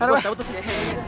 aduh dahut dahut